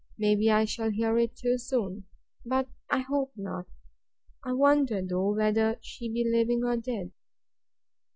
May be I shall hear it too soon. But I hope not. I wonder, though, whether she be living or dead.